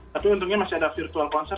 tapi untungnya masih ada virtual concern